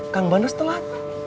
kang banna setelah